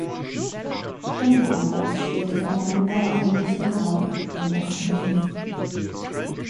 Schon damals spielte der Weinbau eine wichtige Rolle in der Familie.